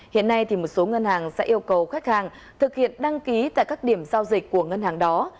hiện nay một số ngân hàng sẽ yêu cầu khách hàng thực hiện đăng ký tại các điểm giao dịch của ngân hàng đó